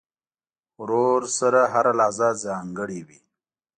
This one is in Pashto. ورور سره هره لحظه ځانګړې وي.